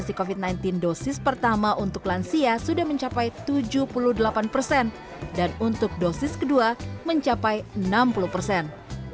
dosis pertama untuk lansia sudah mencapai tujuh puluh delapan persen dan untuk dosis kedua mencapai enam puluh persen